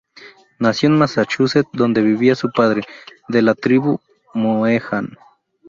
Nació en Massachusetts, donde vivía su padre, de la tribu mohegan.